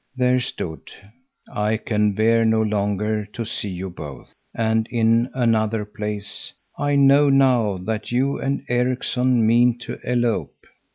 There stood: "I can bear no longer to see you both." And in another place: "I know now that you and Erikson mean to elope."